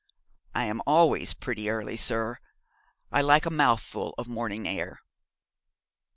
'I am always pretty early, sir. I like a mouthful of morning air.'